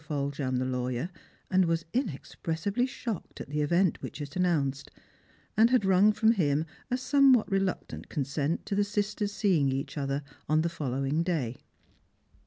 Foljambe the lawyer, and was inexpressibly shocked at the event which it announced, and had wrung from him a somewhat reluctant consent to the sisters seeing each other on the follow ing day.